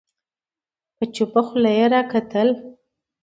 په چوپه خوله يې راکتل